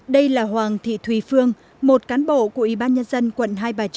đây là hoàng thị thùy phương một cán bộ của y bán nhân dân quận hai trăm ba mươi ba